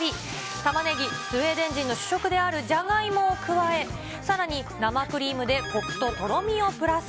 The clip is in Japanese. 玉ねぎ、スウェーデン人の主食であるじゃがいもを加え、さらに生クリームでこくととろみをプラス。